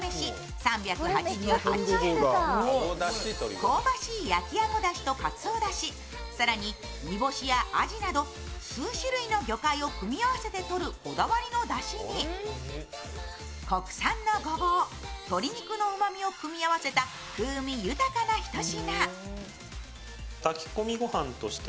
香ばしいやきあごだしとかつおだし、更に煮干しやあじなど数種類の魚介を組み合わせてとるこだわりのだしに国産のゴボウ、鶏肉のうまみを組み合わせた、風味豊かなひと品。